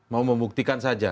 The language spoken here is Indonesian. mau membuktikan saja